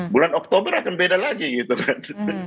bulan oktober akan beda lagi gitu kan